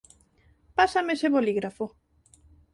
Pásame ese bolígrafo.